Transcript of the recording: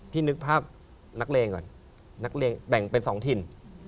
นึกภาพนักเลงก่อนนักเลงแบ่งเป็น๒ถิ่น